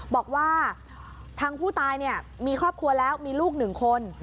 บอกว่าทางผู้ตายมีครอบครัวแล้วมีลูกหนึ่งคน